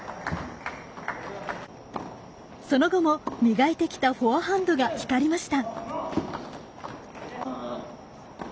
その後も磨いてきたフォアハンドがひかりました。